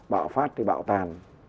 bạo phát thì bạo tàn